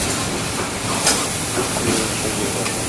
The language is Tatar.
Бул син миңа чын юлдаш.